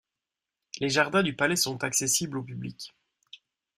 Les jardins du palais sont accessibles au public.